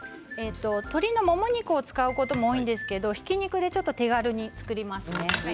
鶏のもも肉を使うことも多いんですけれども、ひき肉で手軽に作りますね。